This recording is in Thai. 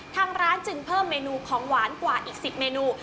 ทางร้านจึงเพิ่มเมนูของหวานกว่าอีก๑๐เมนู